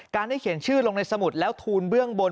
ได้เขียนชื่อลงในสมุดแล้วทูลเบื้องบน